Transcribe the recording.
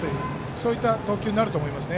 そういった投球になると思います。